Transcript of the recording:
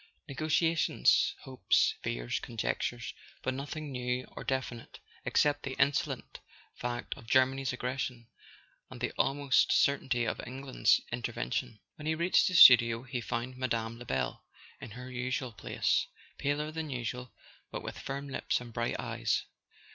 Negotiations, hopes, fears, conjectures—but nothing new or definite, except the insolent fact of Germany's aggression, and the almost certainty of England's in¬ tervention. When he reached the studio he found Mme. Lebel in her usual place, paler than usual, but with firm lips and bright eyes.